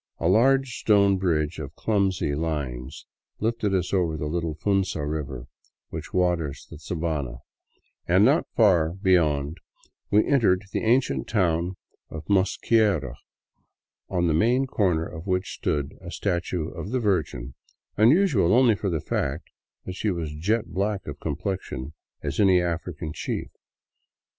A large stone bridge of clumsy lines lifted us over the little Funza river which waters the sabana, and not far beyond we entered the ancient town of Mosquiera, on a main corner of which stood a statue of the Virgin, unusual only for the fact that she was jet black of complexion as any African chief.